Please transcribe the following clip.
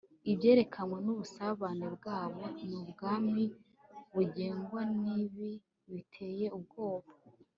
ibyerekanwe nubusabane bwabo ni ubwami bugengwa nibi biteye ubwoba